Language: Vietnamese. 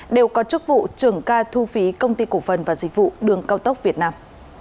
đều có chức vụ trưởng ca thu phí công ty cổ phần và dịch vụ đường cao tốc việt nam